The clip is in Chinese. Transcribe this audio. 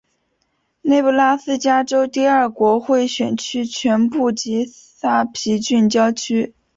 内布拉斯加州第二国会选区全部及萨皮郡郊区。